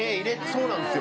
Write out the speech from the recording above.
そうなんですよ。